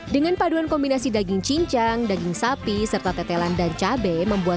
dengan paduan kombinasi daging cincang daging sapi serta tetelan dan cabai membuat